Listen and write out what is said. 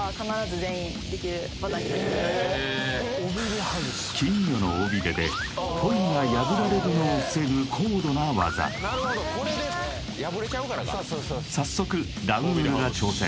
へえ金魚の尾びれでポイが破られるのを防ぐ高度な技早速ラウールが挑戦